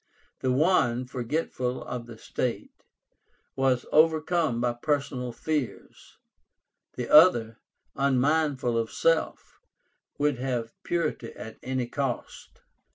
The one, forgetful of the state, was overcome by personal fears; the other, unmindful of self, would have purity at any cost.